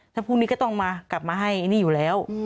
ถ้าพรุ่งนี้ก็ต้องมากลับมาให้ไอ้นี่อยู่แล้ว